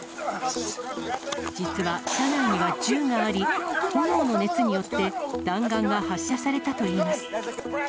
実は車内には銃があり、炎の熱によって、弾丸が発射されたといいます。